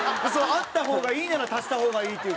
あった方がいいなら足した方がいいっていうか。